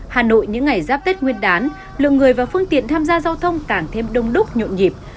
hà nội những ngày giáp tết nguyên đán lượng người và phương tiện tham gia giao thông càng thêm đông đúc nhộn nhịp